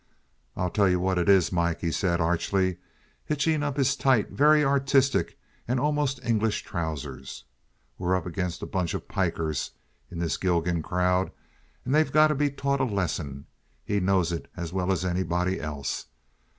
"I'll tell you what it is, Mike," he said, archly, hitching up his tight, very artistic, and almost English trousers, "we're up against a bunch of pikers in this Gilgan crowd, and they've gotta be taught a lesson. He knows it as well as anybody else.